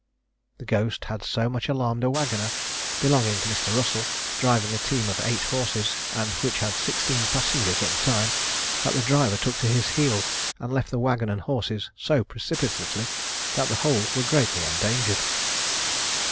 The ghost had so much alarmed a waggoner, belonging to Mr. Russel, driving a team of eight horses, and which had sixteen passengers at the time, that the driver took to his heels, and left the waggon and horses so precipitately, that the whole were greatly endangered.